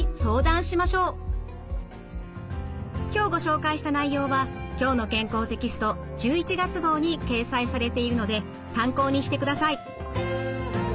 今日ご紹介した内容は「きょうの健康」テキスト１１月号に掲載されているので参考にしてください。